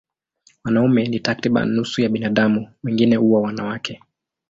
Wanaume ni takriban nusu ya binadamu, wengine huwa wanawake.